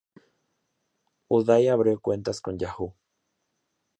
Uday abrió cuentas con Yahoo!